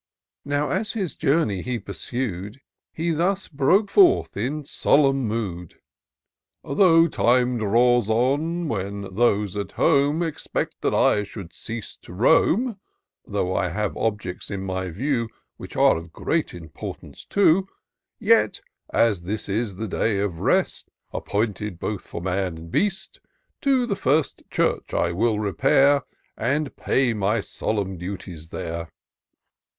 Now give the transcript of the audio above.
Now, as his journey he pursu'd. He thus broke forth in solemn mood: —" Though time draws on when those athom^ Expect that I should cease to roam ; IN SEARCH OF THE PICTURESQUE. 241 Though I have objects in my view Which are of great importance too ; Yet, as this is the day of rest Appointed both for man and beast, To the first church I will repair. And pay my solemn duties there."